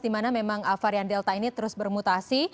dimana memang varian delta ini terus bermutasi